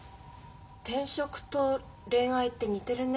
転職と恋愛って似てるね。